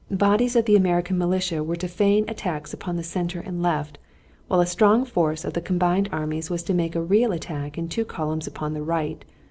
Bodies of the American militia were to feign attacks upon the center and left, while a strong force of the combined armies was to make a real attack in two columns upon the right.